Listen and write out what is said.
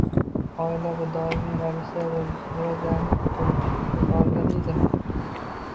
Oila – bu doimiy ravishda rivojlanib turuvchi tirik organizm.